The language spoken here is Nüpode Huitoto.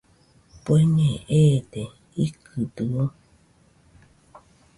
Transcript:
¿Bueñe eede?, ¿ikɨdɨo?